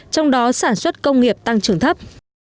trong đó sản xuất công nghiệp tăng trưởng thấp